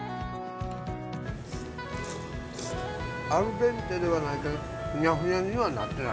アルデンテではないけどふにゃふにゃにはなってない。